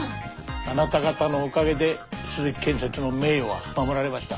あなた方のおかげで鈴木建設の名誉は守られました。